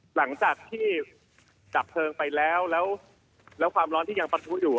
หลังจากที่ดับเพลิงไปแล้วแล้วความร้อนที่ยังประทุอยู่